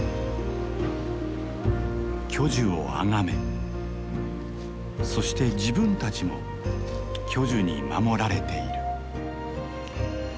巨樹をあがめそして自分たちも巨樹に守られている。